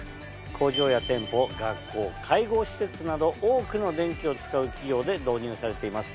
工場や店舗学校介護施設など多くの電気を使う企業で導入されています。